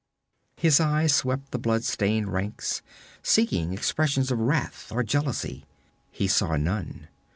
His eyes swept the blood stained ranks, seeking expressions of wrath or jealousy. He saw none.